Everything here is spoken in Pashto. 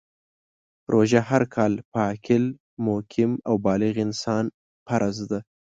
روژه هر کال په عاقل ، مقیم او بالغ انسان فرض ده .